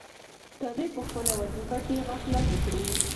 که دوی په خپله وظیفه کې غفلت وکړي.